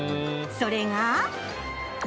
それが。